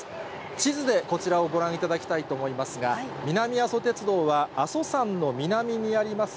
地図でこちらをご覧いただきたいと思いますが、南阿蘇鉄道は、阿蘇山の南にあります